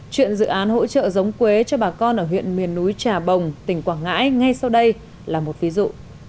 chuyện dự án hỗ trợ giống quế cho bà con ở huyện miền núi trà bồng tỉnh quảng ngãi ngay sau đây là một ví dụ